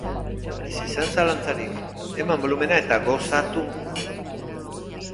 Ez izan zalantzarik, eman bolumena eta gozatu!